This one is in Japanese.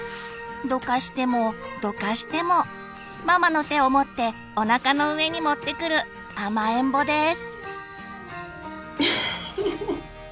どかしてもどかしてもママの手を持っておなかの上に持ってくる甘えんぼです。